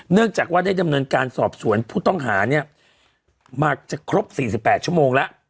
เนื่องจากว่าได้ดำเนินการสอบสวนผู้ต้องหาเนี่ยมาจะครบ๔๘ชั่วโมงแล้ว